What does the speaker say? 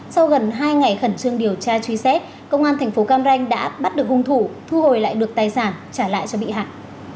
sau gần hai ngày khẩn trương điều tra truy xét công an thành phố cam ranh đã bắt được hung thủ thu hồi lại được tài sản trả lại cho bị hại